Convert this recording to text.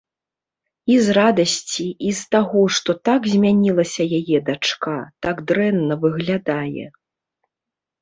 І з радасці, і з таго, што так змянілася яе дачка, так дрэнна выглядае.